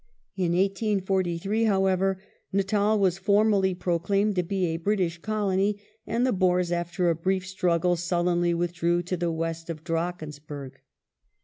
In 1843, however, Natal was formally proclaimed to be a British Colony, and the Boers after a brief struggle sullenly withdrew to the west of the Drakensberg.